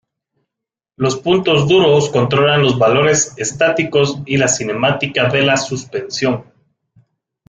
Los puntos duros controlan los valores estáticos y la cinemática de la suspensión.